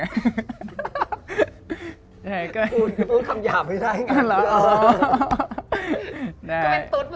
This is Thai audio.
ตอนแรกยาวกว่านี้แล้วเพิ่งตัดได้๒อาทิตย์มั้งค่ะ